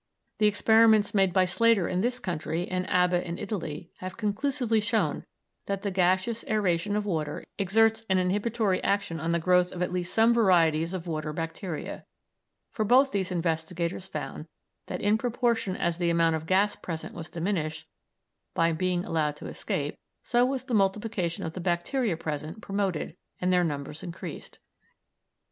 The experiments made by Slater in this country and Abba in Italy have conclusively shown that the gaseous aëration of water exerts an inhibitory action on the growth of at least some varieties of water bacteria, for both these investigators found that in proportion as the amount of gas present was diminished by being allowed to escape, so was the multiplication of the bacteria present promoted and their numbers increased.